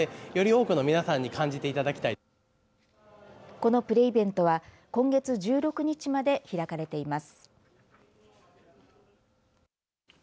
このプレイベントは今月１６日まで開かれています。